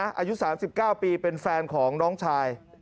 อายุ๓๙ปีเป็นแฟนของน้องชาย